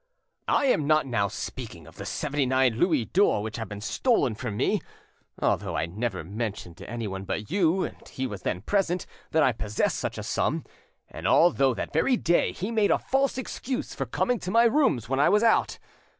"I am not now speaking of the seventy nine Louis d'or which have been stolen from me, although I never mentioned to anyone but you, and he was then present, that I possessed such a sum, and although that very day he made a false excuse for coming to my rooms when I was out.